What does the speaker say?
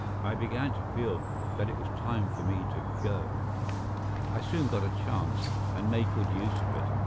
I began to feel that it was time for me to go. I soon got a chance, and made good use of it.